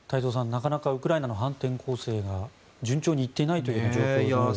なかなかウクライナの反転攻勢が順調にいっていない状況ですね。